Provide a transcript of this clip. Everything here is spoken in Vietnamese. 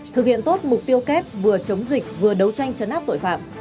thực hiện tốt mục tiêu kép vừa chống dịch vừa đấu tranh chấn áp tội phạm